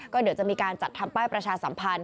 ก็เดี๋ยวจะมีการจัดทำป้ายประชาสัมพันธ